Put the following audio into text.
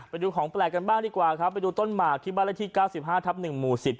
ไปดูของแปลกกันบ้างดีกว่าครับไปดูต้นหมากที่บ้านเลขที่๙๕ทับ๑หมู่๑๐